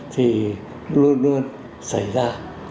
thì luôn luôn xảy ra